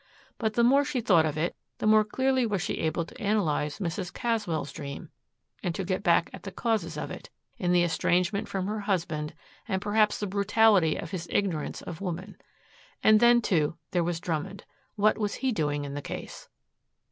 But the more she thought of it, the more clearly was she able to analyze Mrs. Caswell's dream and to get back at the causes of it, in the estrangement from her husband and perhaps the brutality of his ignorance of woman. And then, too, there was Drummond. What was he doing in the case?